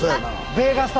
ベーガスタ。